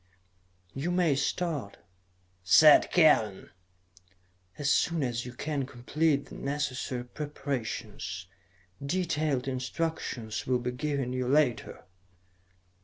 "You may start," said Kellen, "as soon as you can complete the necessary preparations. Detailed instructions will be given you later."